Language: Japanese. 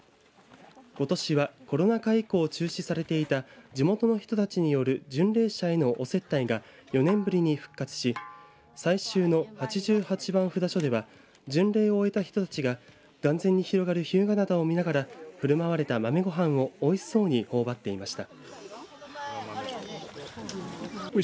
ことしはコロナ禍以降中止されていた地元の人たちによる巡礼者へのお接待が４年ぶりに復活し最終の８８番札所では巡礼を終えた人たちが眼前に広がる日向灘を見ながらふるまわれた豆ご飯をおいしそうに頬張っていました。